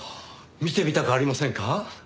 見てみたくありませんか？